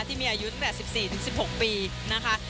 ที่มีอายุตั้งแต่๑๔๑๖ปีนะคะ